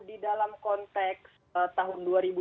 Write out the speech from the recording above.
di dalam konteks tahun